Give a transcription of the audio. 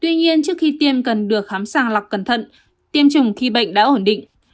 tuy nhiên trước khi tiêm cần được khám sàng lọc cẩn thận tiêm chủng khi bệnh đã ổn định